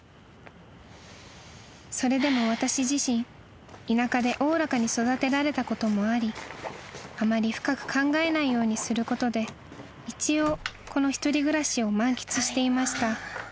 ［それでも私自身田舎でおおらかに育てられたこともありあまり深く考えないようにすることで一応この一人暮らしを満喫していました］